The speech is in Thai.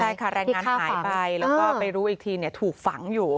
ใช่ค่ะแรงงานหายไปแล้วก็ไปรู้อีกทีถูกฝังอยู่